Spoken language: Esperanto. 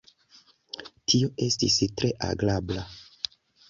Tio estis tre agrabla.